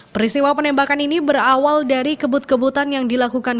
peristiwa penembakan ini berawal dari kebut kebutan yang dilakukan